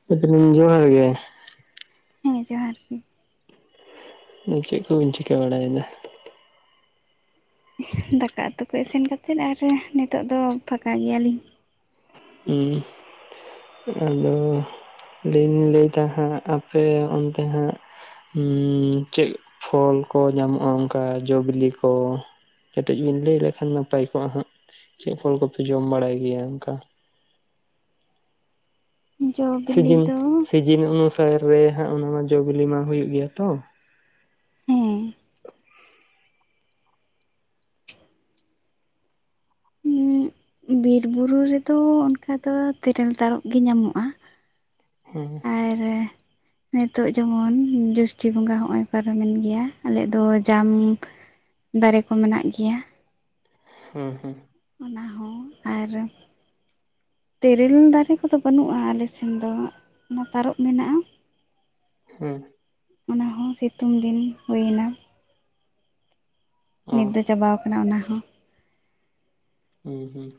[unintelligible] ᱦᱮᱸ ᱡᱚᱦᱟᱨ ᱜᱮ᱾ ᱪᱮᱫ ᱠᱚ ᱵᱤᱱ ᱪᱤᱠᱟᱹ ᱵᱟᱲᱟᱭᱮᱫᱟ᱾ ᱫᱟᱠᱟ ᱩᱛᱩ ᱠᱚ ᱤᱥᱤᱱ ᱠᱟᱛᱮ, ᱟᱨ ᱱᱤᱛᱳᱜ ᱫᱚ ᱯᱷᱟᱠᱟ ᱜᱮᱭᱟᱞᱤᱧ᱾ ᱦᱩᱸ ᱟᱫᱚ ᱞᱮᱧ ᱫᱚ ᱞᱟᱹᱭᱮᱫᱟ ᱦᱟᱸᱜ, ᱟᱯᱮ ᱚᱱᱛᱮ ᱦᱟᱸᱜ ᱦᱩᱸ ᱪᱮᱫ ᱯᱷᱚᱞ ᱠᱚ ᱧᱟᱢᱚᱜᱼᱟ᱾ ᱚᱱᱠᱟ ᱡᱚ ᱵᱤᱞᱤ ᱠᱚ? ᱠᱟᱹᱮᱴᱤᱡ ᱵᱮᱤᱱ ᱞᱟᱹᱭ ᱞᱮᱠᱷᱟᱱ ᱱᱟᱯᱟᱭ ᱠᱚᱜᱼᱟ ᱦᱟᱸᱜ, ᱪᱮᱫ ᱯᱷᱚᱞ ᱠᱚᱯᱮ ᱡᱚᱢ ᱵᱟᱲᱟᱭ ᱜᱮᱭᱟ ᱚᱱᱠᱟ? ᱡᱚ ᱵᱤᱞᱤ ᱥᱤᱡᱤᱱ, ᱫᱚ ᱥᱤᱡᱤᱱ ᱚᱱᱩᱥᱟᱨ ᱨᱮ ᱦᱟᱸᱜ ᱚᱱᱟ᱾ ᱢᱟ ᱡᱚᱼᱵᱤᱞᱤ ᱢᱟ ᱦᱩᱭᱩᱜ ᱜᱮᱭᱟ ᱾ᱛᱚ ᱦᱮᱸ ᱵᱤᱨ ᱵᱩᱨᱩ ᱨᱮᱫᱚ ᱚᱱᱠᱟ ᱫᱚ ᱛᱮᱨᱮᱞ ᱛᱟᱨᱚᱵ ᱜᱮ ᱧᱟᱢᱚᱜᱼᱟ᱾ ᱦᱮᱸ ᱟᱨ ᱱᱤᱛᱚᱜ ᱡᱮᱢᱚᱱ ᱡᱚᱥᱴᱤ ᱵᱚᱸᱜᱟ ᱦᱚᱸᱚᱭ ᱯᱟᱨᱚᱢᱮᱱ ᱜᱮᱭ-ᱟ᱾ ᱟᱞᱮᱭᱟᱜ ᱫᱚ ᱡᱟᱢ ᱫᱟᱨᱮᱠᱚ ᱢᱮᱱᱟᱜ ᱜᱮᱭ-ᱟ᱾ ᱦᱩᱸ ᱦᱩᱸ ᱚᱱᱟᱦᱚᱸ ᱟᱨ ᱛᱮᱨᱮᱞ ᱫᱟᱨᱮ ᱠᱚᱼᱫᱚ ᱵᱟᱹᱱᱩᱜᱼᱟ᱾ ᱟᱞᱮᱥᱮᱱ ᱫᱚ, ᱚᱱᱟ ᱛᱟᱨᱚᱵ ᱢᱮᱱᱟᱜᱼᱟ᱾ [inaudible] ᱚᱱᱟᱦᱚᱸ ᱥᱤᱛᱩᱝ ᱫᱤᱱ ᱦᱳᱭᱮᱱᱟ᱾ ᱚ ᱱᱤᱫ ᱫᱚ ᱪᱟᱵᱟᱣ ᱠᱟᱱᱟ᱾ ᱚᱱᱟᱦᱚᱸ ᱦᱩᱸ ᱦᱩᱸ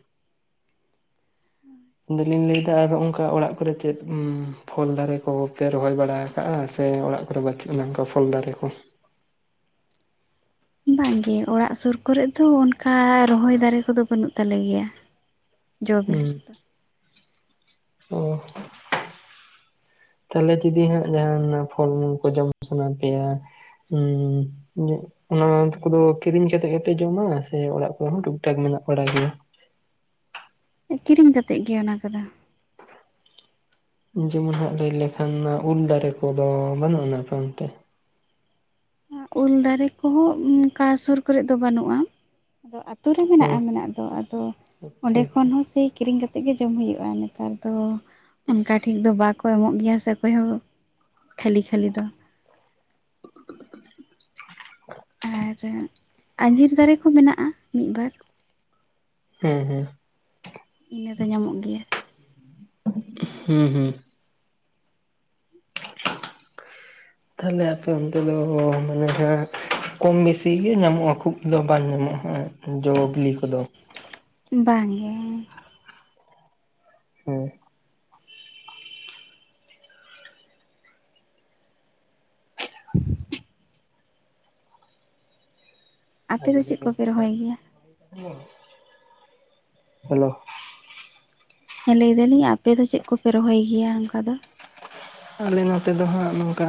ᱵᱤᱞᱤᱞᱮᱠᱟ ᱟᱨᱚ ᱚᱝᱠᱟ ᱚᱲᱟᱜ ᱠᱚᱨᱮ ᱪᱮᱫ, ᱩᱸ ᱯᱷᱚᱞ ᱫᱟᱨᱮ ᱠᱚᱼᱦᱚᱸ ᱯᱮ ᱨᱚᱦᱚᱭ ᱵᱟᱲᱟ᱾ ᱠᱟ ᱟ᱾ ᱥᱮ ᱚᱲᱟᱜ ᱠᱚᱨᱮ ᱵᱟᱪᱩᱜᱼᱟ᱾ ᱱᱚᱝᱠᱟ ᱯᱷᱚᱞ ᱫᱟᱨᱮ ᱠᱚ᱾ ᱵᱟᱝᱜᱮ ᱚᱲᱟᱜ ᱥᱩᱨ ᱠᱚᱨᱮᱫᱚ, ᱚᱱᱠᱟ ᱨᱚᱦᱚᱭ ᱫᱟᱨᱮ ᱠᱚᱼᱫᱚ ᱵᱟᱹᱱᱩᱜ ᱛᱟᱞᱮ ᱜᱮᱭᱟ᱾ ᱡᱚ ᱵᱤᱞᱤ ᱠᱚᱫᱚ ᱚᱜ ᱛᱟᱦᱮᱞᱮ ᱫᱤᱫᱤ ᱦᱟᱸᱜ ᱡᱟᱦᱟᱱᱟᱼᱜ ᱯᱷᱚᱞ ᱢᱩᱞ ᱠᱚ ᱡᱚᱢ ᱥᱟᱱᱟ ᱯᱮᱭ-ᱟ? ᱩᱸ ᱚᱱᱟ ᱠᱩᱫᱚ ᱠᱤᱨᱤᱧ ᱠᱟᱛᱮᱜ ᱜᱮᱯᱮ ᱡᱚᱢᱟ ᱾ ᱥᱮ ᱚᱲᱟᱜ ᱠᱚᱨᱮ ᱦᱚᱸ ᱴᱩᱠ ᱴᱟᱠ ᱢᱮᱱᱟᱜ ᱵᱟᱲᱟ ᱜᱮᱭ-ᱟ? ᱠᱤᱨᱤᱝ ᱠᱟᱛᱮᱜ ᱜᱮ ᱚᱱᱟ ᱠᱚᱼᱫᱚ ᱾ ᱡᱮᱢᱚᱱ ᱦᱟᱸᱜ ᱞᱟᱹᱭ ᱞᱮᱠᱷᱟᱱ, ᱩᱞ ᱫᱟᱨᱮ ᱠᱚᱼᱫᱚ ᱵᱟᱹᱱᱩᱜ ᱟᱱᱟ ᱚᱱᱛᱮ᱾ ᱩᱞ ᱫᱟᱨᱮ ᱠᱚᱼᱦᱚᱸ ᱚᱱᱠᱟ ᱥᱩᱨ ᱠᱚᱨᱮ ᱫᱚ ᱵᱟᱱᱩᱜᱼᱟ᱾ [unintelligible] ᱛᱩᱨᱮ ᱚ ᱢᱮᱱᱟᱜᱼᱟ, ᱢᱮᱱᱟᱜ ᱫᱚ, ᱟᱫᱚ ᱟᱪᱪᱷᱟ ᱚᱸᱰᱮ ᱠᱷᱚᱱ ᱟᱪᱪᱷᱟ ᱦᱚᱸ ᱥᱤ ᱠᱤᱨᱤᱝ ᱠᱟᱛᱮᱜ ᱜᱮ ᱡᱚᱢ ᱦᱩᱭᱩᱜᱼᱟ᱾ ᱱᱮᱛᱟᱨ ᱫᱚ ᱚᱱᱠᱟ ᱴᱷᱤᱠᱷ ᱫᱚ ᱵᱟᱠᱚ ᱮᱢᱚᱜ ᱜᱮᱭ-ᱟ᱾ ᱥᱮ ᱚᱠᱚᱭᱦᱚᱸ ᱠᱷᱟᱹᱞᱤ - ᱠᱷᱟᱹᱞᱤ ᱫᱚ᱾ ᱟᱨᱟ ᱟᱸᱡᱤᱨ ᱫᱟᱨᱮ ᱠᱚ ᱢᱮᱱᱟᱜᱼᱟ ᱾ᱢᱤᱫ ᱵᱟᱨ᱾ ᱦᱩᱸ ᱦᱩᱸ ᱤᱱᱟᱹᱫᱚ ᱧᱟᱢᱚᱜ ᱜᱮᱭᱟ᱾ ᱦᱩᱸ ᱦᱩᱸ ᱛᱟᱦᱮᱞᱮ ᱟᱯᱮ ᱚᱱᱛᱮ ᱫᱚ, ᱢᱟᱱᱮ ᱦᱟᱸᱸᱜ ᱠᱚᱢ ᱵᱤᱥᱤ ᱜᱤ ᱧᱟᱢᱚᱜᱼᱟ᱾ ᱠᱷᱩᱵ ᱫᱚ ᱵᱟᱝ ᱧᱟᱢᱚᱜᱼᱟ ᱦᱟᱸᱜ ᱡᱚ ᱵᱤᱞᱤ ᱠᱚᱼᱫᱚ ᱾ ᱵᱟᱝ ᱜᱮ ᱦᱩᱸ [inaudible] ᱟᱯᱮᱫᱚ ᱪᱮᱫ ᱠᱚᱯᱮ ᱨᱚᱦᱚᱭ ᱜᱮᱭᱟ? ᱦᱮᱞᱳ ᱦᱮᱸ ᱞᱟᱹᱭ ᱫᱟᱞᱤᱝ, ᱟᱯᱮ ᱫᱚ ᱪᱮᱫ ᱠᱚᱯᱮ ᱨᱚᱦᱚᱭ ᱜᱮᱭᱼᱟ ᱚᱝᱠᱟ ᱫᱚ? ᱟᱞᱮ ᱱᱚᱛᱮ ᱫᱚᱦᱟᱸᱜ ᱱᱚᱝᱼᱠᱟ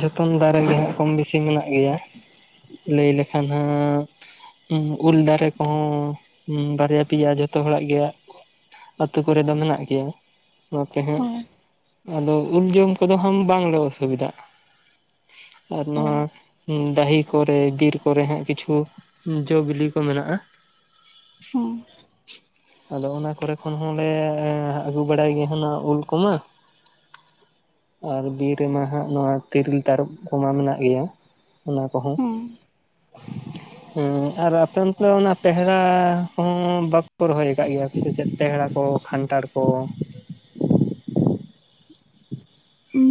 ᱡᱚᱛᱚᱝ ᱫᱟᱨᱮ ᱜᱮ ᱦᱟᱸᱜ ᱠᱚᱢ ᱵᱤᱥᱤ ᱢᱮᱱᱟᱜ ᱜᱮᱭᱟ᱾ ᱞᱟᱹᱭ ᱞᱮᱠᱷᱟᱱ ᱦᱟᱸᱼᱼ ᱩᱞ ᱫᱟᱨᱮ ᱠᱚᱦᱚᱸ ᱩᱸ ᱵᱟᱨᱭᱟ ᱯᱮᱭᱟ ᱡᱷᱚᱛᱚ ᱦᱚᱲᱟᱜ ᱜᱮᱭᱟ᱾ ᱚᱯᱮ ᱠᱚᱨᱮᱫᱚ ᱫᱚ ᱢᱮᱱᱟᱜ ᱜᱮᱭᱟ ᱱᱚᱛᱮ ᱦᱟᱸᱜ ᱦᱳᱭ ᱟᱫᱚᱼᱼ ᱩᱞ ᱡᱚᱢ ᱠᱚᱫᱚ ᱦᱟᱝ ᱵᱟᱝᱞᱮ ᱚᱥᱩᱵᱤᱫᱷᱟᱜ᱾ ᱟᱨ ᱱᱚᱣᱟ ᱚ ᱫᱟᱹᱦᱤ ᱠᱚᱨᱮ ᱵᱤᱨ ᱠᱚᱨᱮ ᱦᱟᱸᱜ ᱠᱤᱪᱷᱩᱼᱼ ᱩ ᱡᱚ ᱵᱤᱞᱤ ᱠᱚ ᱢᱮᱱᱟᱜᱼᱟ᱾ ᱦᱮᱸ ᱟᱫᱚ ᱚᱱᱟ ᱠᱚᱨᱮ ᱠᱷᱚᱱ ᱦᱚᱸᱞᱮ ᱟᱹᱜᱩ ᱵᱟᱲᱟᱭ ᱜᱮᱭᱟ ᱦᱟᱱᱟᱹ ᱩᱞ ᱠᱚᱢᱟᱼᱼ ᱟᱨ ᱵᱤᱨ ᱨᱮᱢᱟ ᱦᱟᱸᱜ ᱱᱚᱣᱟ ᱛᱤᱨᱤᱞ ᱛᱟᱨᱚᱯ ᱠᱚᱢᱟ ᱢᱮᱱᱟᱜ ᱜᱮᱭᱟ ᱚᱱᱟ ᱠᱚᱦᱚᱸ᱾ ᱦᱮᱸ [inaudible] ᱦᱩᱸ ᱟᱨ ᱟᱯᱮ ᱚᱱᱛᱮ ᱚ ᱯᱮᱦᱲᱟ ᱦᱚᱸ ᱵᱟᱠᱩ ᱨᱚᱦᱚᱭ ᱟᱠᱟᱫ ᱜᱮᱭᱟ᱾ ᱥᱮᱪᱮᱫ ᱴᱮᱦᱲᱟ ᱠᱚ ᱠᱷᱟᱱᱴᱟᱲ ᱠᱚᱼᱼ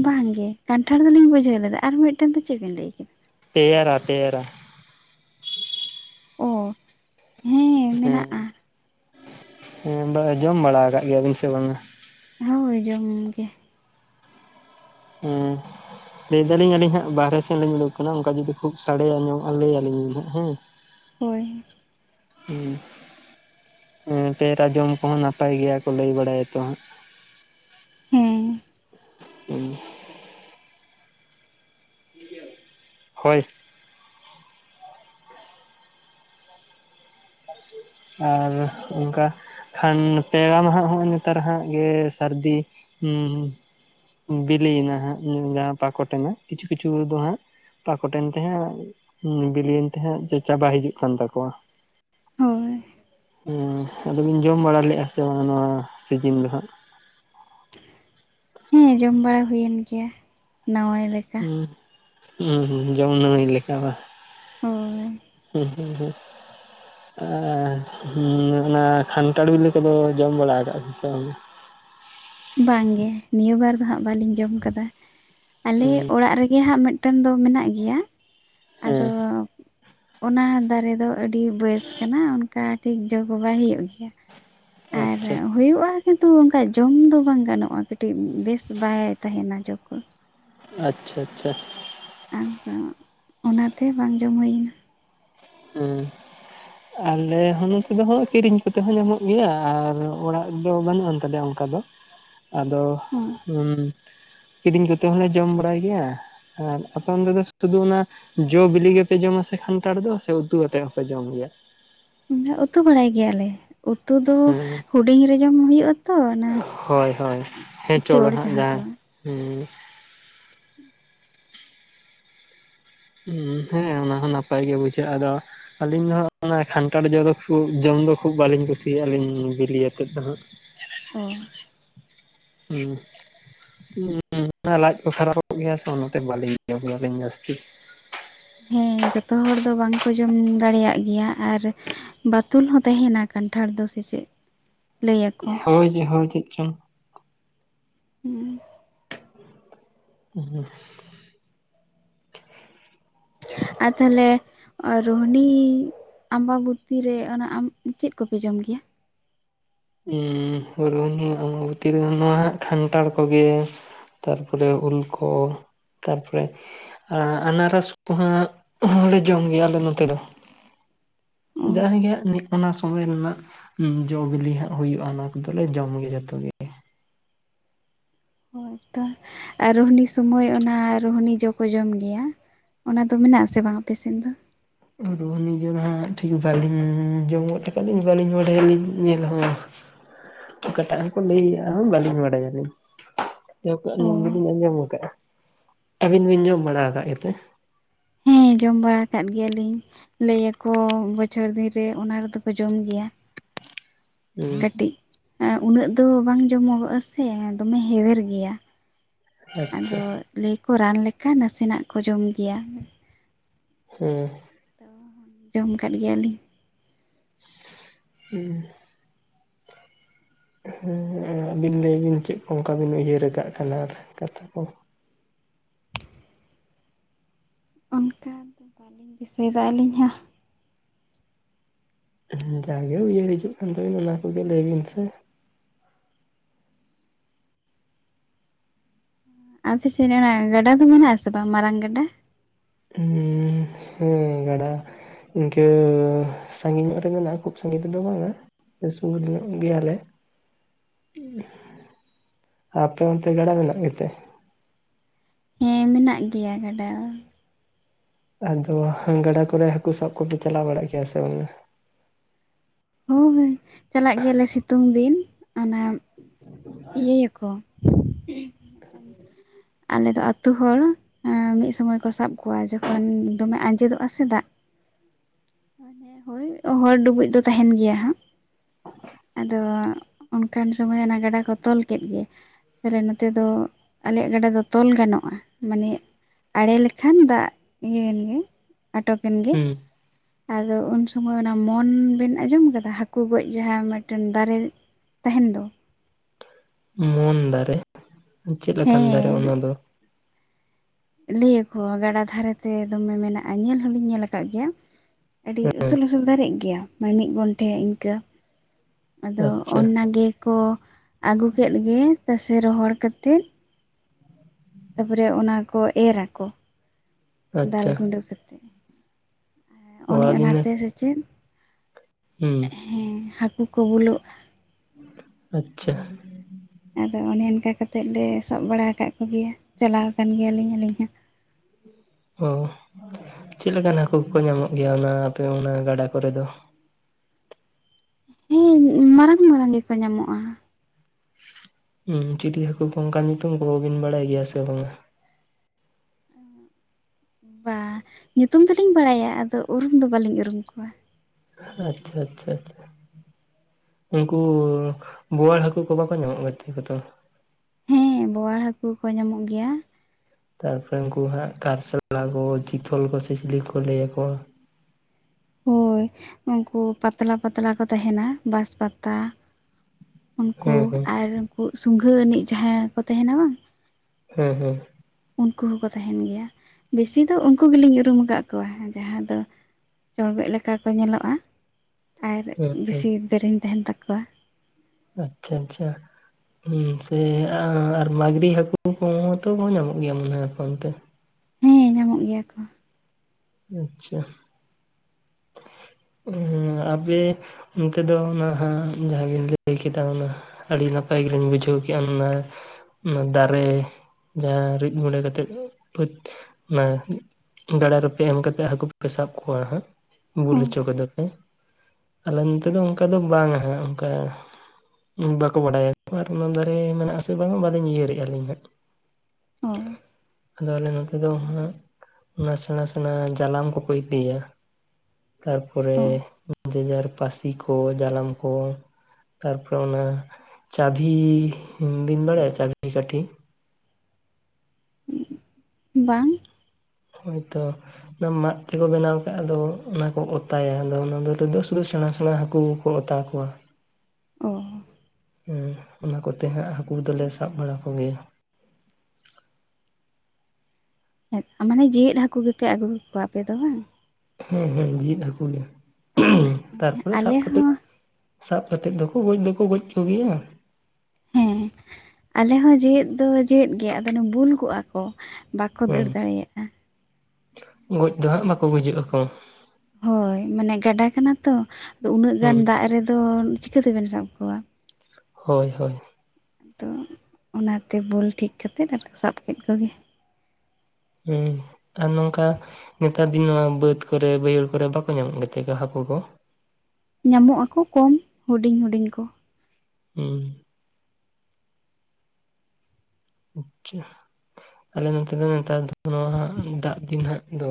ᱵᱟᱝᱼᱜᱮ ᱠᱟᱱᱴᱷᱟᱲ ᱫᱚᱞᱤᱝ ᱵᱩᱡᱷᱟᱹᱣ ᱞᱮᱫᱟ ᱟᱨ ᱢᱤᱫᱴᱮᱱ ᱫᱚ ᱪᱮᱫ ᱵᱮᱱ ᱞᱟᱹᱭ ᱠᱮᱫᱟ᱾ ᱯᱮᱭᱟᱨᱟ ᱯᱮᱭᱟᱨᱟ᱾ ᱚᱻ ᱦᱮᱸ ᱦᱮᱸ ᱡᱚᱢ ᱵᱟᱲᱟ ᱠᱟᱜ ᱜᱮᱭᱟᱵᱤᱱ ᱥᱮ ᱵᱟᱝᱟ? ᱠᱚ ᱡᱚᱢ ᱜᱮᱼᱼ ᱦᱮᱸ ᱞᱟᱹᱭᱮᱫᱟᱞᱤᱧ ᱟᱹᱞᱤᱧ ᱦᱟᱸᱜ ᱵᱟᱨᱨᱮ ᱥᱮᱫ ᱞᱤᱧ ᱩᱰᱩᱠ ᱟᱠᱟᱱᱟ ᱚᱱᱠᱟ ᱡᱩᱫᱤ ᱠᱷᱩᱵ ᱥᱟᱰᱮ ᱟ ᱧᱚᱜᱼᱟ ᱞᱟᱹᱭᱟᱞᱤᱧᱱ ᱦᱟᱸᱜ ᱦᱮᱸ? ᱦᱳᱭ᱾ ᱦᱮᱸ ᱯᱮᱲᱟ ᱡᱚᱢ ᱠᱚᱦᱚᱸ ᱱᱟᱯᱟᱭ ᱜᱮᱭᱟ ᱠᱚ ᱞᱟᱹᱭ ᱵᱟᱲᱟᱭᱟᱛᱚ ᱦᱟᱸᱜᱼᱼ ᱦᱮᱸ ᱦᱩᱸᱼᱼ ᱦᱳᱭ᱾ ᱟᱨ ᱚᱱᱠᱟᱼᱼ ᱠᱷᱟᱱ ᱯᱮᱲᱟ ᱢᱟᱦᱟᱜ ᱦᱚᱸᱜ ᱱᱮᱛᱟᱨ ᱦᱟᱸᱟᱜ ᱜᱮ ᱥᱟᱹᱨᱫᱤ ᱦᱼᱼ ᱵᱞᱤᱭᱮᱱᱟ ᱦᱟᱸᱜ ᱡᱟᱦᱟᱸ ᱯᱟᱠᱚᱚᱴᱮᱱᱟ ᱠᱤᱪᱷᱩ ᱠᱤᱪᱷᱩ ᱫᱚ ᱦᱟᱸᱜ ᱯᱟᱠᱚᱴ ᱮᱮᱱ ᱛᱟᱦᱮᱸᱜ ᱵᱤᱞᱤᱭᱮᱱ ᱛᱟᱦᱮᱸᱜ ᱪᱟ ᱪᱟᱵᱟ ᱦᱤᱡᱩᱜ ᱠᱟᱱ ᱛᱟᱠᱚᱣᱟ᱾ ᱦᱳᱭ ᱟᱫᱚ ᱵᱤᱱ ᱡᱚᱢ ᱵᱟᱲᱟ ᱞᱮᱫᱼᱟ ᱥᱮ ᱵᱟᱝ ᱱᱚᱣᱟ ᱥᱤᱡᱤᱱ ᱫᱚ ᱦᱟᱸᱜ? ᱦᱮᱸ ᱡᱚᱢ ᱵᱟᱲᱟ ᱦᱩᱭᱮᱱ ᱜᱮᱭᱟ ᱱᱟᱣᱟᱟᱭ ᱞᱮᱠᱟᱼᱼ ᱦ ᱦ ᱡᱚᱢᱧᱩᱩᱭᱟᱹᱭ ᱞᱮᱠᱟᱣᱟ ᱵᱟᱝ᱾ ᱦᱳ ᱦᱩᱸ ᱦᱩᱸ ᱦᱩᱸ ᱟᱨ ᱚᱱᱟ ᱠᱷᱟᱱᱴᱷᱟᱲ ᱵᱤᱞᱤ ᱠᱚᱫᱚ ᱡᱚᱢ ᱵᱟᱲᱟ ᱟᱠᱟᱫ ᱜᱮ ᱥᱮ ᱵᱟᱝ? ᱵᱟᱝ ᱜᱮᱮ ᱱᱤᱭᱟᱹ ᱵᱟᱨ ᱫᱚ ᱦᱟᱸᱜ ᱵᱟᱞᱤᱧ ᱡᱚᱢ ᱟᱠᱟᱫᱟ ᱟᱞᱮ ᱦᱩᱸ ᱚᱲᱟᱜ ᱨᱮᱜᱮ ᱦᱟᱸᱜ ᱢᱤᱫᱼᱼ ᱢᱤᱫᱴᱟᱹᱱ ᱫᱚ ᱢᱮᱱᱟᱜ ᱜᱮᱭᱟ ᱟᱫᱚᱼᱼ ᱦᱮᱸ ᱚᱱᱟ ᱫᱟᱨᱮ ᱫᱚ ᱟᱹᱰᱤ ᱵᱚᱭᱮᱥ ᱠᱟᱱᱟ ᱚᱱᱠᱟ ᱴᱷᱤᱠ ᱡᱚ ᱵᱟ ᱵᱟᱭ ᱦᱩᱭᱩᱜ ᱜᱮᱭᱟ᱾ ᱟᱨᱼᱼ ᱟᱪᱪᱷᱟ ᱦᱩᱭᱩᱜᱼᱟ ᱠᱤᱱᱛᱩ ᱚᱱᱠᱟ ᱡᱚᱢ ᱫᱚ ᱵᱟᱝ ᱜᱟᱱᱚᱜᱼᱟ ᱠᱟᱹᱴᱤᱡ ᱵᱮᱥ ᱵᱟᱭ ᱛᱟᱦᱮᱱᱟ ᱡᱚ ᱠᱚ ᱟᱪᱪᱷᱟ ᱟᱪᱪᱷᱟ᱾ ᱟᱫᱚ ᱚᱱᱟᱛᱮ ᱵᱟᱝ ᱡᱚᱢ ᱦᱩᱭᱱᱟ᱾ ᱦᱮᱸᱼᱼ ᱟᱞᱮ ᱦᱚᱱᱚᱛᱚᱛ ᱫᱚ ᱦᱚᱸ ᱠᱤᱨᱤᱧ ᱠᱚᱛᱮ ᱦᱚᱸ ᱧᱟᱢᱚᱜ ᱜᱮᱭᱟ ᱟᱨ ᱚᱲᱟᱜ ᱫᱚ ᱵᱟᱹᱱᱩᱜ ᱟᱱ ᱛᱟᱞᱮᱭᱟ ᱚᱱᱠᱟ ᱫᱚ᱾ ᱟᱫᱚ ᱦᱩᱭᱱᱟ ᱠᱤᱨᱤᱧ ᱠᱟᱛᱮ ᱦᱚᱞᱮ ᱡᱚᱢ ᱵᱟᱲᱟᱭ ᱜᱮᱭᱟ᱾ ᱟᱨ ᱟᱯᱮ ᱚᱸᱰᱮ ᱫᱚ ᱥᱩᱫᱩ ᱚᱱᱟ ᱡᱚ ᱵᱤᱞᱤ ᱜᱮᱯᱮ ᱡᱚᱢ ᱥᱮ ᱠᱟᱱᱴᱟᱲ ᱫᱚ ᱥᱮ ᱩᱛᱩ ᱟᱛᱮᱫ ᱦᱚᱸᱯᱮ ᱡᱚᱢ ᱜᱮᱭᱟ ᱩᱛᱩ ᱵᱟᱲᱟᱭ ᱜᱮᱭᱟᱞᱮ ᱩᱛᱩ ᱫᱚ ᱦᱮᱸ ᱦᱩᱰᱤᱧ ᱨᱮ ᱡᱚᱢ ᱦᱩᱭᱩᱜᱼᱟ ᱛᱚ ᱚᱱᱟ ᱦᱳᱭ ᱦᱳᱭ ᱦᱮᱸ ᱦᱤᱪᱚᱲ ᱤᱪᱚᱲ ᱦᱟᱸᱜ ᱠᱚ ᱡᱟᱦᱟᱸ [unintelligible] ᱦᱩᱸ ᱚᱱᱟ ᱦᱚᱸ ᱱᱟᱯᱟᱭ ᱜᱮ ᱵᱩᱡᱷᱚᱜᱼᱟ ᱟᱫᱚ ᱟᱹᱞᱤᱧ ᱫᱚ ᱦᱟᱸᱜ ᱚᱱᱟ ᱠᱷᱟᱱᱴᱷᱟᱲ ᱡᱚ ᱫᱚ ᱡᱚᱢ ᱫᱚ ᱠᱷᱩᱵ ᱵᱟᱹᱞᱤᱧ ᱠᱩᱥᱤᱭᱟᱜᱼᱟ ᱵᱤᱞᱤᱭᱟᱛᱮᱫ ᱫᱚ ᱦᱟᱸᱜ ᱚ [unintelligible] ᱦᱩᱸ ᱞᱟᱡ ᱠᱚ ᱠᱷᱟᱨᱟᱯᱚᱜ ᱜᱮᱭᱟ ᱥᱮ ᱚᱱᱟᱛᱮ ᱵᱟᱹᱞᱤᱧ [unintelligible] ᱡᱟᱹᱥᱛᱤ ᱦᱮᱸ ᱡᱚᱛᱚ ᱦᱚᱲ ᱫᱚ ᱵᱟᱝᱠᱚ ᱡᱚᱢ ᱫᱟᱲᱮᱭᱟᱜ ᱜᱮᱭᱟ ᱟᱨ ᱵᱟᱛᱩᱞ ᱦᱚᱸ ᱛᱟᱦᱮᱸᱱᱟ ᱠᱟᱱᱴᱷᱟᱲ ᱫᱚ ᱥᱮᱪᱮᱫ ᱦᱳᱭ ᱡᱮ ᱦᱳᱭ ᱪᱮᱫ ᱪᱚᱝ ᱦᱩᱸ [unintelligible] [inaudible] ᱟᱨ ᱛᱟᱦᱚᱞᱮ ᱨᱳᱦᱱᱤ ᱟᱢᱵᱟᱵᱚᱛᱤ ᱨᱮ ᱚᱱᱟ ᱟᱢ ᱪᱮᱫ ᱠᱚᱯᱮ ᱡᱚᱢ ᱜᱮᱭᱟ ᱦᱩᱸ ᱨᱚᱦᱱᱤ ᱚᱢᱵᱟᱵᱚᱛᱤ ᱨᱮᱫᱚ ᱱᱚᱣᱟ ᱠᱷᱟᱱᱴᱷᱟᱲ ᱠᱚᱜᱮ ᱛᱟᱨᱯᱚᱨᱮ ᱩᱞ ᱠᱚ ᱛᱟᱨᱯᱚᱨᱮ ᱟᱨ ᱟᱱᱟᱨᱚᱥ ᱠᱚᱦᱚᱸ ᱦᱚᱸᱞᱮ ᱡᱚᱢ ᱜᱮᱭᱟ ᱟᱞᱮ ᱱᱚᱛᱮ ᱫᱚ ᱚ ᱡᱟᱦᱟᱸ ᱜᱮ ᱱᱤᱛ ᱟᱱᱟᱜ ᱥᱚᱢᱚᱭ ᱨᱮᱱᱟᱜ ᱡᱚ ᱵᱤᱞᱤ ᱦᱟᱸᱜ ᱦᱩᱭᱩᱜᱼᱟ ᱚᱱᱟ ᱠᱚᱫᱚᱞᱮ ᱡᱚᱢ ᱜᱮᱭᱟ ᱡᱚᱛᱚ ᱜᱮ ᱦᱳᱭ ᱛᱚ ᱨᱩᱦᱱᱤ ᱥᱚᱢᱚᱭ ᱚᱱᱟ ᱨᱩᱦᱱᱤ ᱡᱚ ᱠᱚ ᱡᱚᱢ ᱜᱮᱭᱟ ᱚᱱᱟ ᱫᱚ ᱢᱮᱱᱟᱜᱼᱟ ᱥᱮ ᱵᱟᱝ ᱟᱯᱮ ᱥᱮᱫ ᱫᱚ ᱨᱩᱦᱱᱤ ᱡᱚ ᱫᱚ ᱱᱟᱦᱟᱸᱜ ᱴᱷᱤᱠ ᱵᱟᱹᱞᱤᱧ ᱡᱚᱢ ᱜᱚᱫ ᱟᱠᱟᱫᱟᱞᱤᱧ ᱵᱟᱹᱞᱤᱧ ᱵᱟᱰᱟᱭᱟᱞᱤᱧ ᱧᱮᱞ ᱦᱚᱸ ᱚᱠᱟᱴᱟᱜ ᱦᱚᱸᱠᱚ ᱞᱟᱹᱭ ᱜᱮᱭᱟ ᱵᱟᱹᱞᱤᱧ ᱵᱟᱲᱟᱭᱟᱞᱤᱧ [unintelligible] ᱚ ᱟᱹᱞᱤᱧ ᱫᱚᱞᱤᱧ ᱟᱸᱡᱚᱢ ᱟᱠᱟᱫᱼᱟ ᱟᱹᱵᱤᱱ ᱵᱤᱱ ᱡᱚᱢ ᱵᱟᱲᱟ ᱟᱠᱟᱫ ᱜᱮᱛᱮ ᱦᱮᱸ ᱡᱚᱢ ᱵᱟᱲᱟ ᱟᱠᱟᱫ ᱜᱮᱭᱟᱞᱤᱧ ᱞᱟᱹᱭᱟ ᱠᱚ ᱵᱚᱪᱷᱚᱨ ᱫᱤᱱ ᱨᱮ ᱚᱱᱟ ᱨᱮᱫᱚ ᱠᱚ ᱡᱚᱢ ᱜᱮᱭᱟ ᱦᱩᱸ ᱠᱟᱹᱴᱤᱡ ᱩᱱᱟᱹᱜ ᱫᱚ ᱵᱟᱝ ᱡᱚᱢᱚᱜᱚᱜᱼᱟ ᱥᱮ ᱫᱚᱢᱮ ᱦᱮᱣᱮᱨ ᱜᱮᱭᱟ ᱟᱫᱚ ᱟᱪᱪᱷᱟ ᱞᱟᱹᱭᱟ ᱠᱚ ᱨᱟᱱ ᱞᱮᱠᱟ ᱱᱟᱥᱮᱱᱟᱜ ᱠᱚ ᱡᱚᱢ ᱜᱮᱭᱟ ᱦᱩᱸ ᱡᱚᱢ ᱟᱠᱟᱫ ᱜᱮᱭᱟᱞᱤᱧ ᱦᱩᱸ ᱦᱮᱸ ᱟᱹᱵᱤᱱ ᱞᱟᱹᱭ ᱵᱤᱱ ᱪᱮᱫ ᱠᱚ ᱚᱱᱠᱟ ᱵᱤᱱ ᱩᱭᱦᱟᱹᱨ ᱟᱠᱟᱫ ᱠᱷᱟᱱ ᱟᱨ ᱠᱟᱛᱷᱟ ᱠᱚ ᱚᱱᱠᱟ ᱵᱟᱹᱞᱤᱧ ᱫᱤᱥᱟᱹᱭ ᱫᱟ ᱟᱹᱞᱤᱧ ᱦᱚᱸ ᱡᱟᱜᱮ ᱩᱭᱦᱟᱹᱨ ᱦᱤᱡᱩᱜ ᱠᱟᱱ ᱛᱟᱵᱱᱟ ᱚᱱᱟ ᱠᱚᱜᱮ ᱞᱟᱹᱭ ᱵᱤᱱ ᱥᱮ ᱟᱯᱮ ᱥᱮᱫ ᱨᱮ ᱚᱱᱟ ᱜᱟᱰᱟ ᱫᱚ ᱢᱮᱱᱟᱜ ᱟᱥᱮ ᱵᱟᱝ ᱢᱟᱨᱟᱝ ᱜᱟᱰᱟ ᱩᱸ ᱦᱩᱸ ᱜᱟᱰᱟ ᱤᱱᱠᱟᱹ ᱥᱟᱺᱜᱤᱧ ᱧᱚᱜ ᱨᱮ ᱢᱮᱱᱟᱜᱼᱟ ᱠᱷᱩᱵ ᱥᱟᱺᱜᱤᱧ ᱨᱮᱫᱚ ᱵᱟᱝᱼᱟ ᱥᱩᱨ ᱧᱚᱜ ᱜᱮᱭᱟ ᱞᱮ ᱟᱯᱮ ᱚᱱᱛᱮ ᱜᱟᱰᱟ ᱢᱮᱱᱟᱜ ᱜᱮᱛᱮ ᱦᱮᱸ ᱢᱮᱱᱟᱜ ᱜᱮᱭᱟ ᱜᱟᱰᱟ ᱟᱫᱚ ᱜᱟᱰᱟ ᱠᱚᱨᱮ ᱦᱟᱹᱠᱩ ᱥᱟᱵ ᱠᱚᱯᱮ ᱪᱟᱞᱟᱣ ᱵᱟᱲᱟᱜ ᱜᱮᱭᱟ ᱥᱮ ᱵᱟᱝᱼᱟ ᱦᱳᱭ ᱪᱟᱞᱟᱜ ᱜᱮᱭᱟ ᱞᱮ ᱥᱤᱛᱩᱝ ᱫᱤᱱ ᱚᱱᱟ ᱤᱭᱟᱹ [unintelligible] [unintelligible] ᱟᱞᱮᱫᱚ ᱟᱛᱩ ᱦᱚᱲ ᱢᱤᱫ ᱥᱩᱢᱟᱹᱭ ᱠᱚ ᱥᱟᱵ ᱠᱚᱣᱟ ᱡᱚᱠᱷᱚᱱ ᱫᱚᱢᱮ ᱟᱸᱡᱮᱫᱚᱜᱼᱟ ᱥᱮ ᱫᱟᱜ ᱦᱳᱭ ᱦᱚᱲ ᱰᱩᱵᱩᱡ ᱫᱚ ᱛᱟᱦᱮᱱ ᱜᱮᱭᱟ ᱦᱟᱸᱜ ᱟᱫᱚ ᱚᱱᱠᱟᱱ ᱥᱚᱢᱚᱭ ᱚᱱᱟ ᱜᱟᱰᱟ ᱠᱚ ᱛᱚᱞ ᱠᱮᱫ ᱜᱮ ᱛᱟᱦᱚᱞᱮ ᱱᱚᱛᱮ ᱫᱚ ᱟᱞᱮᱭᱟᱜ ᱜᱟᱰᱟ ᱫᱚ ᱛᱚᱞ ᱜᱟᱱᱚᱜᱼᱟ ᱢᱟᱱᱮ ᱟᱲᱮ ᱞᱮᱠᱷᱟᱱ ᱫᱟᱜ ᱤᱭᱟᱹᱭᱮᱱ ᱜᱮ ᱟᱴᱚᱠ ᱮᱱ ᱜᱮ ᱦᱩᱸ ᱟᱫᱚ ᱩᱱ ᱥᱚᱢᱚᱭ ᱚᱱᱟ ᱢᱚᱱ ᱵᱮᱱ ᱟᱸᱡᱚᱢ ᱟᱠᱟᱫᱟ ᱦᱟᱹᱠᱩ ᱜᱚᱡ ᱡᱟᱦᱟᱸ ᱢᱤᱫᱴᱮᱱ ᱫᱟᱨᱮ ᱛᱟᱦᱮᱱ ᱫᱚ ᱢᱚᱱ ᱫᱟᱨᱮ ᱪᱮᱫ ᱞᱮᱠᱟᱱ ᱫᱟᱨᱮ ᱦᱮᱸ ᱚᱱᱟᱫᱚ ᱞᱟᱹᱭᱟᱠᱚ ᱜᱟᱰᱟ ᱫᱷᱟᱨᱮᱛᱮ ᱫᱚᱢᱮ ᱢᱮᱱᱟᱜᱼᱟ ᱧᱮᱞ ᱦᱚᱞᱤᱧ ᱧᱮᱞ ᱟᱠᱟᱫ ᱜᱮᱭᱟ ᱟᱹᱰᱤ ᱩᱥᱩᱞ ᱩᱥᱩᱞ ᱫᱷᱟᱨᱮᱜ ᱜᱮᱭᱟ ᱳᱭ ᱢᱤᱫ ᱜᱚᱱᱴᱷᱮ ᱤᱱᱠᱟᱹ ᱟᱫᱚ ᱟᱪᱪᱷᱟ ᱚᱱᱟᱜᱮ ᱠᱚ ᱟᱹᱜᱩ ᱠᱮᱫ ᱜᱮ ᱛᱟᱥᱮ ᱨᱚᱦᱚᱲ ᱠᱟᱛᱮᱫ ᱛᱟᱨᱯᱚᱨᱮ ᱚᱱᱟ ᱠᱚ ᱮᱨ ᱟᱠᱚ ᱫᱟᱞ ᱟᱪᱪᱷᱟ ᱜᱩᱸᱰᱟᱹ ᱠᱟᱛᱮᱫ ᱚ ᱚᱱᱮ ᱟᱹᱞᱤᱧ ᱚᱱᱟᱛᱮ ᱥᱮᱪᱮᱫ ᱦᱩᱸ ᱦᱮᱸ ᱦᱟᱹᱠᱩ ᱠᱚ ᱵᱩᱞᱩᱜ-ᱟ ᱟᱪᱪᱷᱟ ᱟᱫᱚ ᱚᱱᱮ ᱚᱱᱠᱟ ᱠᱟᱛᱮᱫ ᱞᱮ ᱥᱟᱵ ᱵᱟᱲᱟ ᱟᱠᱟᱫ ᱠᱚᱜᱮᱭᱟ ᱪᱟᱞᱟᱣ ᱟᱠᱟᱱ ᱜᱮᱭᱟᱞᱤᱧ ᱟᱹᱞᱤᱧ ᱦᱚᱸ ᱚ ᱪᱮᱫ ᱞᱮᱠᱟᱱ ᱦᱟᱹᱠᱩ ᱠᱚᱠᱚ ᱧᱟᱢᱚᱜ ᱜᱮᱭᱟ ᱚᱱᱟ ᱟᱯᱮ ᱚᱱᱟ ᱜᱟᱰᱟ ᱠᱚᱨᱮ ᱫᱚ ᱦᱮᱸ ᱢᱟᱨᱟᱝ ᱢᱟᱨᱟᱝ ᱜᱮᱠᱚ ᱧᱟᱢᱚᱜᱼᱟ ᱦᱩᱸ ᱪᱤᱞᱤ ᱦᱟᱹᱠᱩ ᱠᱚ ᱚᱱᱠᱟ ᱧᱩᱛᱩᱢ ᱠᱚᱵᱤᱱ ᱵᱟᱲᱟᱭ ᱜᱮᱭᱟ ᱥᱮ ᱵᱟᱝᱟ ᱵᱟᱝ ᱧᱩᱛᱩᱢ ᱫᱚᱞᱤᱧ ᱵᱟᱲᱟᱭᱟ ᱟᱫᱚ ᱩᱨᱩᱢ ᱫᱚ ᱵᱟᱞᱤᱧ ᱩᱨᱩᱢ ᱠᱚᱣᱟ ᱟᱪᱪᱷᱟ ᱟᱪᱪᱷᱟ ᱟᱪᱪᱷᱟ ᱩᱱᱠᱩ ᱵᱳᱣᱟᱲ ᱦᱟᱹᱠᱩ ᱠᱚ ᱵᱟᱠᱚ ᱧᱟᱢᱚᱜ-ᱟ ᱜᱟᱛᱮ ᱠᱚᱫᱚ ᱦᱮᱸ ᱵᱳᱣᱟᱲ ᱦᱟᱹᱠᱩ ᱠᱚ ᱧᱟᱢᱚᱜ ᱜᱮᱭᱟ ᱛᱟᱨᱯᱚᱨᱮ ᱩᱱᱠᱩ ᱦᱟᱸᱜ ᱠᱟᱨᱥᱮᱞ ᱞᱟᱜᱚᱡ ᱪᱤᱛᱚᱞ ᱠᱚ ᱪᱤᱞᱤ ᱠᱚ ᱞᱟᱹᱭᱠᱚᱣᱟ ᱦᱳᱭ ᱩᱝᱠᱩ ᱯᱟᱛᱞᱟ ᱯᱟᱛᱞᱟ ᱠᱚ ᱛᱟᱦᱮᱱᱟ ᱵᱟᱥ ᱯᱟᱛᱟ ᱾ ᱩᱱᱠᱩ ᱦᱮᱸ ᱦᱮᱸ ᱟᱨ ᱩᱱᱠᱩ ᱥᱩᱜᱷᱟᱹ ᱟᱹᱱᱤᱡ ᱡᱟᱦᱟᱸᱭ ᱠᱚ ᱛᱟᱦᱮᱱᱟ ᱵᱟᱝ ᱾ ᱦᱩᱸ ᱦᱩᱸ ᱩᱱᱠᱩ ᱦᱚᱸᱠᱚ ᱛᱟᱦᱮᱱ ᱜᱮᱭᱟ ᱵᱮᱥᱤ ᱫᱚ ᱩᱱᱠᱩ ᱜᱮᱞᱤᱧ ᱩᱨᱩᱢ ᱟᱠᱟᱜ ᱠᱚᱣᱟ ᱡᱟᱦᱟᱸ ᱫᱚ ᱾ ᱴᱚᱲᱜᱚᱡ ᱞᱮᱠᱟ ᱠᱚ ᱧᱮᱞᱚᱜᱼᱟ ᱟᱨ ᱦᱮᱸ ᱦᱮᱸ ᱵᱮᱥᱤ ᱫᱮᱨᱮᱧ ᱛᱟᱦᱮᱱ ᱛᱟᱠᱚᱣᱟ ᱾ ᱟᱪᱪᱷᱟ ᱟᱪᱪᱷᱟ ᱦᱩᱸ ᱥᱮ ᱟᱨ ᱢᱟᱜᱽᱨᱤ ᱦᱟᱹᱠᱩ ᱠᱚᱦᱚᱸ ᱛᱚ ᱧᱟᱢᱚᱜ ᱜᱮᱭᱟ ᱢᱚᱱᱮ ᱟᱯᱮ ᱚᱱᱛᱮ ᱾ ᱦᱮᱸ ᱧᱟᱢᱚᱜ ᱜᱮᱭᱟ ᱠᱚ ᱾ ᱟᱪᱪᱷᱟ ᱩᱸ ᱟᱵᱮ ᱚᱱᱛᱮ ᱫᱚ ᱚᱱᱟᱦᱟᱸᱜ ᱡᱟᱦᱟᱸ ᱜᱮᱱ ᱞᱟᱹᱭ ᱠᱮᱫᱟ ᱚᱱᱟ ᱾ ᱟᱹᱰᱤ ᱱᱟᱯᱟᱭ ᱜᱮᱞᱤᱧ ᱵᱩᱡᱷᱟᱹᱣ ᱠᱮᱜ ᱟ ᱚᱱᱟ ᱾ ᱚᱱᱟ ᱫᱟᱨᱮ ᱡᱟᱦᱟᱸ ᱨᱤᱫ ᱜᱩᱰᱟᱹ ᱠᱟᱛᱮᱫ ᱠᱩ ᱯᱟᱹᱛ ᱾ ᱚᱱᱟ ᱜᱟᱰᱟ ᱨᱩᱯᱮ ᱮᱢ ᱠᱟᱛᱮᱜ ᱦᱟᱹᱠᱩᱯᱮ ᱥᱟᱵ ᱠᱚᱣᱟ ᱦᱟᱸᱜ ᱾ ᱵᱩᱞ ᱚ ᱦᱚᱪᱚ ᱠᱟᱫᱟ ᱯᱮ ᱟᱞᱮ ᱱᱚᱛᱮ ᱫᱚ ᱩᱝᱠᱟ ᱫᱚ ᱵᱟᱝᱼᱟ ᱚᱱᱠᱟ ᱾ ᱵᱟᱠᱚ ᱵᱟᱰᱟᱭᱟ ᱟᱨ ᱚᱱᱟ ᱫᱟᱨᱮ ᱢᱮᱱᱟᱜᱼᱟ ᱟᱥᱮ ᱵᱟᱝ ᱵᱟᱞᱤᱧ ᱩᱭᱦᱟᱹᱲ ᱞᱮᱭᱟ ᱟᱹᱞᱤᱧ ᱦᱟᱸᱜ ᱾ ᱚ ᱠᱟᱫᱚ ᱟᱞᱮ ᱱᱚᱛᱮ ᱫᱚ ᱦᱟᱸᱜ ᱚᱱᱟ ᱥᱮᱬᱟ ᱥᱮᱱᱟ ᱡᱟᱞᱟᱢ ᱠᱚᱠᱚ ᱤᱫᱤᱭᱟ ᱾ ᱛᱟᱨᱯᱚᱨᱮ ᱚ ᱡᱮᱡᱟᱨ ᱯᱟᱹᱥᱤ ᱠᱚ ᱡᱟᱞᱟᱢ ᱠᱚ ᱾ ᱛᱟᱨᱯᱚᱨ ᱚᱱᱟ ᱪᱟᱵᱷᱤ ᱤᱱ ᱵᱤᱱ ᱵᱟᱲᱟᱭᱟ ᱪᱟᱵᱷᱤ ᱠᱟᱴᱷᱤ ᱾ ᱵᱟᱝ᱾ ᱦᱳᱭ ᱛᱚ᱾ ᱫᱚ ᱢᱟᱜ ᱛᱮᱠᱚ ᱵᱮᱱᱟᱣ ᱠᱟᱜ ᱫᱚ ᱚᱱᱟ ᱠᱚ ᱚᱛᱟᱭᱟ, ᱟᱫᱚ ᱚᱱᱟ ᱫᱟᱨᱮ ᱫᱚ ᱥᱩᱫᱩᱥ ᱥᱮᱬᱟ-ᱥᱮᱬᱟ ᱦᱟᱠᱩ ᱠᱚᱜ ᱛᱟ ᱠᱚᱣᱟ᱾ ᱚ᱾ ᱩᱸ ᱚᱱᱟ ᱠᱚᱛᱮ ᱦᱟᱸᱜ ᱦᱟᱠᱩ ᱫᱚ ᱞᱮ ᱥᱟᱵ ᱵᱟᱲᱟ ᱠᱚ ᱜᱮᱭᱟ᱾ ᱦᱮᱸᱛ ᱟ ᱢᱟᱱᱮ ᱡᱮᱣᱮᱜ ᱦᱟᱠᱩ ᱜᱮᱯᱮ ᱟᱜᱩ ᱠᱩ-ᱠᱩᱣᱟ ᱟᱯᱮ ᱫᱚ ᱵᱟᱝ? ᱦᱩᱸ-ᱦᱩᱸ, ᱡᱤᱣᱤᱫ ᱦᱟᱹᱠᱩ ᱜᱮ ᱛᱟᱨᱯᱚᱨᱮ ᱥᱟᱵ ᱟᱞᱮ ᱠᱟᱛᱮᱫ ᱦᱚᱸ ᱥᱟᱵ ᱠᱟᱛᱮᱜ ᱫᱚᱠᱚ ᱜᱚᱡ ᱫᱚᱠᱚ, ᱜᱚᱡ ᱠᱚᱜᱮᱭᱟ᱾ ᱦᱮᱸ, ᱟᱞᱮ ᱦᱚᱸ ᱡᱮᱣᱮᱫ ᱫᱚ, ᱡᱮᱣᱮᱫ ᱜᱮ ᱟᱫᱚ ᱱᱮ ᱵᱩᱞ ᱠᱚᱜᱼᱟ ᱠᱚ ᱵᱟᱠᱚ ᱫᱟᱹᱲ ᱦᱮᱸ ᱫᱟᱲᱮᱭᱟᱜᱼᱟ᱾ ᱜᱚᱡ ᱫᱚ ᱦᱟᱸᱜ ᱵᱟᱠᱚ ᱜᱩᱡᱩᱜ ᱟᱠᱚ? ᱦᱳᱭ, ᱢᱟᱱᱮ ᱜᱟᱰᱟ ᱠᱟᱱᱟ ᱛᱚ ᱩᱱᱟᱹᱜ ᱜᱟᱱ ᱦᱮᱸ ᱫᱟᱜ ᱨᱮᱫᱚᱼᱱ ᱪᱤᱠᱟᱹ ᱛᱮ ᱵᱮᱱ ᱥᱟᱵ ᱠᱚᱣᱟ? ᱦᱳᱭ-ᱦᱳᱭ᱾ ᱛᱚ ᱚᱱᱟ ᱛᱮ ᱵᱩᱞ ᱴᱷᱤᱠ ᱠᱟᱛᱮᱫ ᱟᱨ ᱥᱟᱵ ᱠᱮᱫ ᱠᱚᱜᱮ᱾ ᱩᱸ ᱟ ᱱᱚᱝᱠᱟ ᱱᱮᱛᱟᱫ ᱤᱱᱟᱢ ᱵᱟᱹᱫᱽ ᱠᱚᱨᱮ ᱵᱟᱹᱭᱟᱹᱲ ᱠᱚᱨᱮ ᱵᱟᱠᱚ ᱧᱟᱢᱚᱜ ᱜᱮᱛᱮ ᱠᱚ ᱦᱟᱠᱩ ᱠᱚ? ᱧᱟᱢᱚᱜ ᱟᱠᱚ ᱠᱚᱢ ᱦᱩᱰᱤᱧ-ᱦᱩᱰᱤᱧ ᱠᱚ᱾ ᱦᱩᱸ᱾ ᱟᱪᱪᱟ, ᱟᱞᱮ ᱱᱚᱛᱮ ᱫᱚ ᱱᱮᱛᱟᱨ ᱫᱚ ᱱᱚᱣᱟ ᱦᱟᱸᱜ ᱫᱟᱜ ᱫᱤᱱ ᱦᱟᱸᱜ ᱫᱚ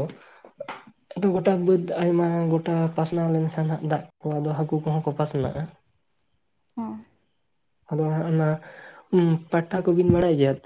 ᱫᱩ ᱜᱚᱴᱟᱝ ᱵᱟᱹᱫᱽ ᱟᱭᱢᱟ ᱜᱚᱴᱟ ᱯᱟᱥᱱᱟᱣ ᱞᱮᱱᱠᱷᱟᱱ ᱦᱟᱸᱜ ᱫᱟᱜ ᱠᱚ, ᱟᱫᱚ ᱦᱟᱠᱩ ᱠᱚᱦᱚᱸ ᱠᱚ ᱯᱟᱥᱱᱟᱜᱼᱟ᱾ ᱦᱚᱸ ᱟᱫᱚ ᱦᱟᱸᱜ ᱚᱱᱟ ᱩᱸ ᱯᱟᱴᱴᱟ ᱠᱚᱵᱤᱱ ᱵᱟᱲᱟᱭ ᱜᱮᱭᱟ ᱛᱚ?